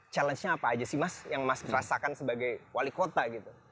challenge nya apa aja sih mas yang mas rasakan sebagai wali kota gitu